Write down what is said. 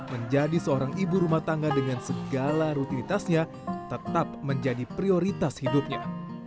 menjadi seorang ibu rumah tangga dengan segala rutinitasnya tetap menjadi prioritas hidupnya